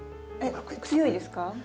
強いですか？